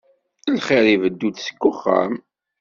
Lxir ibeddu-d seg uxxam.